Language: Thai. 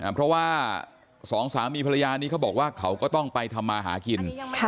เพราะว่าสองสามีภรรยานี้เขาบอกว่าเขาก็ต้องไปทำมาหากิน